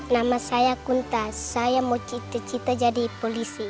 nama saya kuntas saya mau cita cita jadi polisi